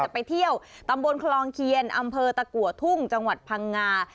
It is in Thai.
ไปเที่ยวตำบลคลองเคียนอำเภอตะกัวทุ่งจังหวัดพังงา